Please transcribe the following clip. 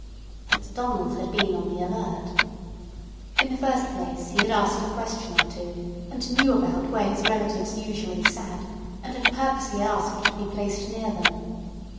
But Donald had been on the alert. In the first place, he had asked a question or two, and knew about where his relatives usually sat, and had purposely asked to be placed near them.